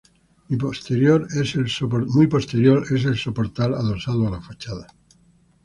Muy posterior es el soportal adosado a la fachada.